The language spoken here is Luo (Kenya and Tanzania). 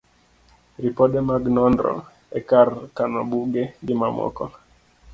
ripode mag nonro e kar kano buge, gi mamoko